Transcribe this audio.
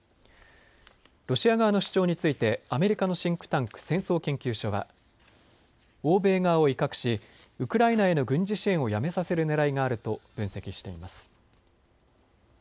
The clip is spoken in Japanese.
ロシア側の主張についてアメリカのシンクタンク、戦争研究所は欧米側を威嚇しウクライナへの軍事支援をやめさせるねらいがあると分析しています。